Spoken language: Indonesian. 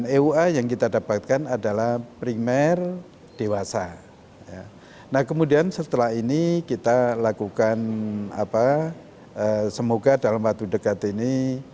eua yang kita dapatkan adalah primer dewasa nah kemudian setelah ini kita lakukan apa semoga dalam waktu dekat ini